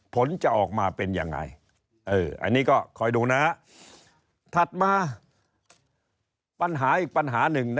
ผลจะออกมาเป็นยังไงอันนี้ก็คอยดูนะถัดมาปัญหาอีกปัญหาหนึ่ง